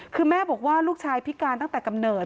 คือแม่บอกว่าลูกชายพิการตั้งแต่กำเนิด